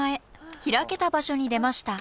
開けた場所に出ました。